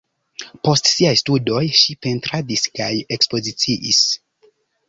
Post siaj studoj ŝi pentradis kaj ekspoziciis.